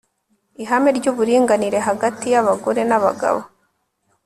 ihame ry'uburinganire hagati y'abagore n'abagabo